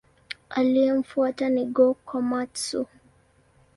Aliyemfuata ni Go-Komatsu.